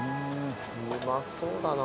うまそうだな。